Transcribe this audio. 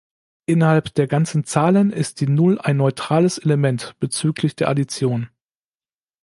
Innerhalb der ganzen Zahlen ist die Null ein "neutrales Element" bezüglich der Addition.